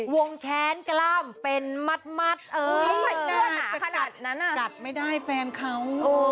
วงแค้นกล้ามเป็นมัดเออขนาดนั้นอะจัดไม่ได้แฟนเขา